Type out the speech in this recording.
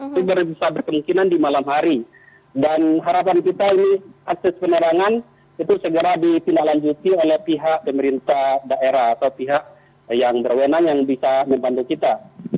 itu bisa berkemungkinan di malam hari dan harapan kita ini akses penerangan itu segera ditindaklanjuti oleh pihak pemerintah daerah atau pihak yang berwenang yang bisa membantu kita